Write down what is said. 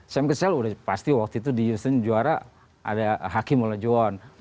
sam kessel udah pasti waktu itu di houston juara ada hakim olajuwon